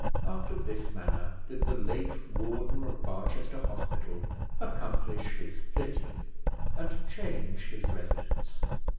After this manner did the late Warden of Barchester Hospital accomplish his flitting, and change his residence.